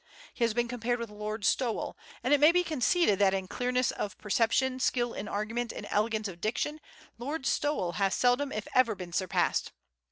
He has been compared with Lord Stowell, and it may be conceded that in clearness of perception, skill in argument, and elegance of diction, Lord Stowell has seldom if ever been surpassed.